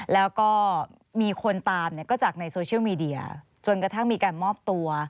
แล้วก็มีคนตามเนี่ยก็จากในโซเชียลมีเดียจนกระทั่งมีการมอบตัว